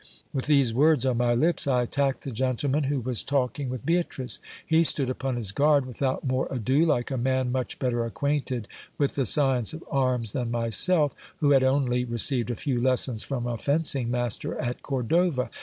With these words on my lips, I attacked the gentleman who was talk ing with Beatrice. He stood upon his guard without more ado, like a man much better acquainted with the science of arms than myself, who had only re ceived a few lessons from a fencing master at Cordova.